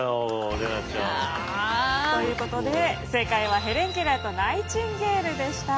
怜奈ちゃん。ということで正解はヘレン・ケラーとナイチンゲールでした。